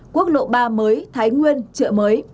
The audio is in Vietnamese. quốc lộ ba mới thái nguyên chợ mới